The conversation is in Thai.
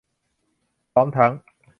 พร้อมทั้ง